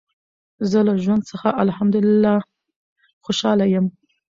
زه له ژوند څخه الحمدلله خوشحاله یم.